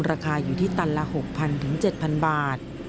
ราคาอยู่ที่ตันละ๖๐๐๗๐๐บาท